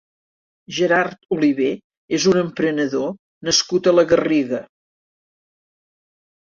Gerard Olivé és un emprenedor nascut a la Garriga.